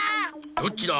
どっちだ？